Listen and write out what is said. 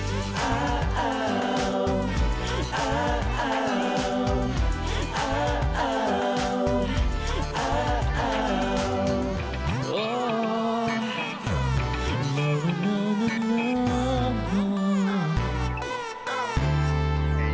อ้าวอ้าวอ้าว